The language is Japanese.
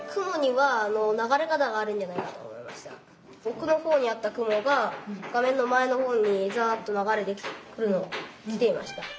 おくのほうにあった雲が画面の前のほうにザッと流れてきていました。